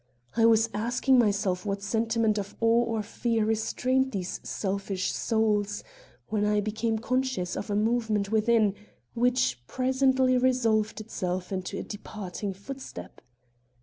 I was asking myself what sentiment of awe or fear restrained these selfish souls, when I became conscious of a movement within, which presently resolved itself into a departing footstep.